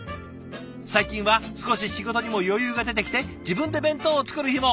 最近は少し仕事にも余裕が出てきて自分で弁当を作る日も。